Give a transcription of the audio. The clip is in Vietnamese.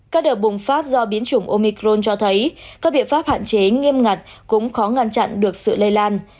các đợt bùng phát do biến chủng omicron cho thấy các biện pháp hạn chế nghiêm ngặt cũng khó ngăn chặn được sự lây lan